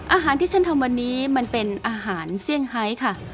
อาหารที่ฉันทำวันนี้มันเป็นอาหารเซี่ยงไฮค่ะ